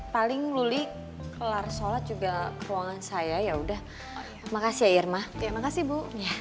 kali ngulik kelar sholat juga ke ruangan saya ya udah makasih ya irma makasih bu